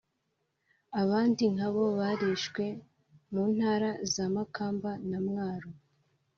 abandi nkabo barishwe mu ntara za Makamba na Mwaro